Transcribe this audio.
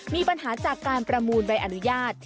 มีปัญหาจากการประมูลใบอนุญาต